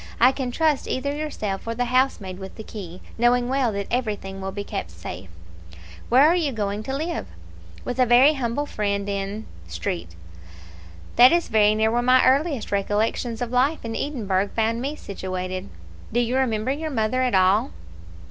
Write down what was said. I can trust either yourself or the housemaid with the key, knowing well that everything will be kept safe." "Where are you going to live?" "With a very humble friend in Street." "That is very near where my earliest recollections of life in Edinburgh found me situated." "Do you remember your mother at all?"